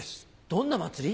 どんな祭り？